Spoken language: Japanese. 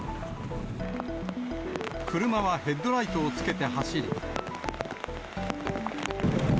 車はヘッドライトをつけて走り。